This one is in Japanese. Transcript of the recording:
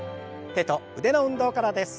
手と腕の運動からです。